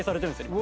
今。